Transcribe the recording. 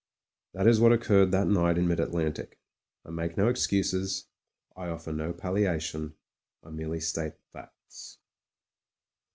... That is what occurred that night in mid Atlantic. I make no excuses, I offer no palliation ; I merely state facts.